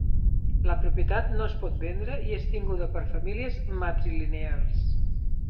La propietat no es pot vendre i és tinguda per famílies matrilineals.